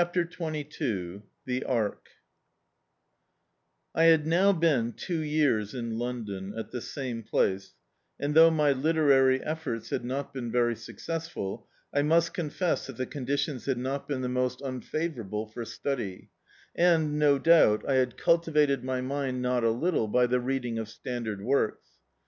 Dn.icdt, Google cHAirrER xxn 1HAD now been two years in London, at the same place, and though my literary efforts had not been very successful, I must confess that the conditions had not been the most unfavourable for study; and, no doubt, I had cultivated my mind not a little by the reading of standard works.